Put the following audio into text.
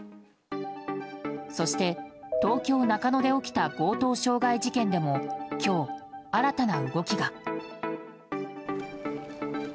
そして東京・中野で起きた強盗傷害事件でも今日、新たな動きが。